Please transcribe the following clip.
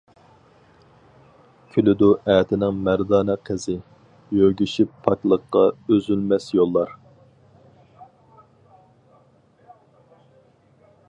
كۈلىدۇ ئەتىنىڭ مەردانە قىزى، يۆگىشىپ پاكلىققا ئۈزۈلمەس يوللار.